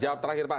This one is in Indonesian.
jawab terakhir pak